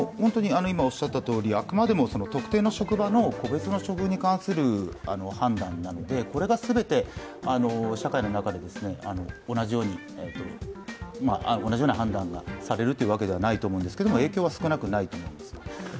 あくまでも特定の職場の個別の処遇に対する判断なのでこれが全て社会の中で同じような判断がされるというわけではないと思うんですが影響は少なくないと思います。